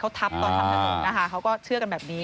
เขาทับตอนทับทางนี้เขาก็เชื่อกันแบบนี้